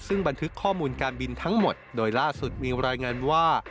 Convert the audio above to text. ซึ่งบันทึกข้อมูลการบินทั้งหมดโดยล่าสุดมีรายงานว่า